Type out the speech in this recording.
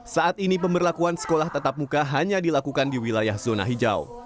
saat ini pemberlakuan sekolah tatap muka hanya dilakukan di wilayah zona hijau